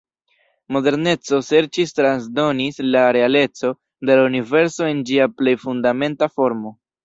Moderneco serĉis transdonis la "realeco" de la universo en ĝia plej fundamenta formo.